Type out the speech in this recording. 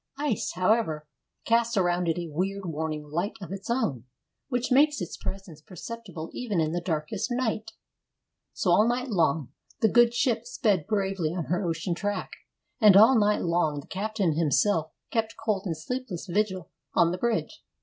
Ice, however, casts around it a weird, warning light of its own, which makes its presence perceptible even in the darkest night. So all night long the good ship sped bravely on her ocean track, and all night long the captain himself kept cold and sleepless vigil on the bridge.